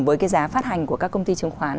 với cái giá phát hành của các công ty chứng khoán